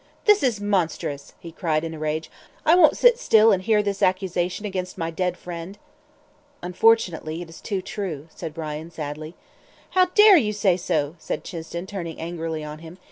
"This is monstrous," he cried, in a rage. "I won't sit still and hear this accusation against my dead friend." "Unfortunately, it is too true," said Brian, sadly. "How dare you say so?" said Chinston, turning angrily on him.